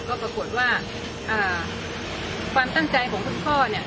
ก็ปรากฏว่าความตั้งใจของคุณพ่อเนี่ย